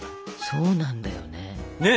そうなんだよね。